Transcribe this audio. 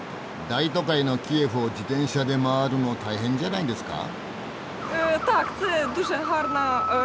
大都会のキエフを自転車で回るの大変じゃないんですか？